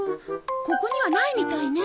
ここにはないみたいね。